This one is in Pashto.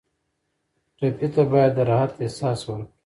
ټپي ته باید د راحت احساس ورکړو.